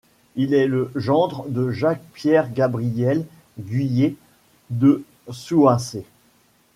Il est le gendre de Jacques-Pierre-Gabriel Guillier de Souancé.